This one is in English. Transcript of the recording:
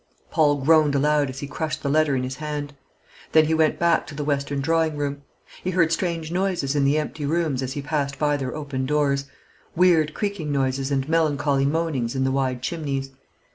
Paul groaned aloud as he crushed the letter in his hand. Then he went back to the western drawing room. He heard strange noises in the empty rooms as he passed by their open doors, weird creaking sounds and melancholy moanings in the wide chimneys.